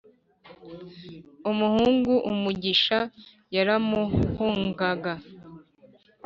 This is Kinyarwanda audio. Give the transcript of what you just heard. umuhungu umuvugisha, yaramuhungaga.